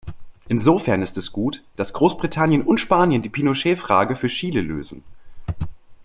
Insofern ist es gut, dass Großbritannien und Spanien die Pinochet-Frage für Chile lösen.